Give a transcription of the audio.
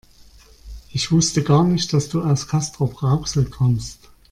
Ich wusste gar nicht, dass du aus Castrop-Rauxel kommst